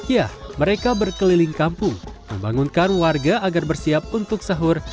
ya mereka berkeliling kampung membangunkan warga agar bersiap untuk sahur